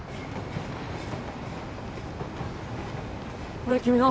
これ君の？